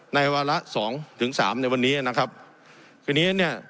วาระสองถึงสามในวันนี้นะครับทีนี้เนี่ย